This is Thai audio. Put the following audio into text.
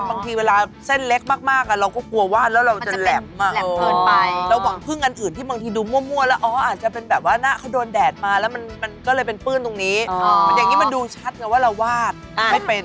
บางทีเวลาเส้นเล็กมากเราก็กลัววาดแล้วเราจะแหลมเกินไปเราหวังพึ่งอันอื่นที่บางทีดูมั่วแล้วอ๋ออาจจะเป็นแบบว่าหน้าเขาโดนแดดมาแล้วมันก็เลยเป็นปื้นตรงนี้อย่างนี้มันดูชัดไงว่าเราวาดไม่เป็น